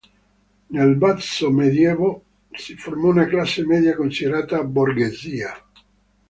Nel Basso Medioevo si formò una classe media considerata borghesia.